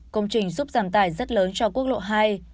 công trình giúp giảm tài rất lớn cho hộ gia đình